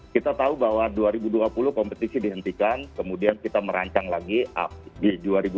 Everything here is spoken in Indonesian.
kita tahu bahwa dua ribu dua puluh kompetisi dihentikan kemudian kita merancang lagi di dua ribu dua puluh